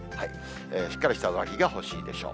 しっかりした上着が欲しいでしょう。